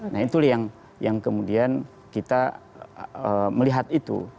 nah itu yang kemudian kita melihat itu